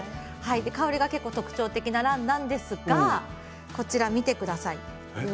香りが結構、特徴的なランなんですがこちら見てください。